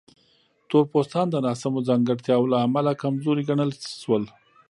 تور پوستان د ناسمو ځانګړتیاوو له امله کمزوري ګڼل شول.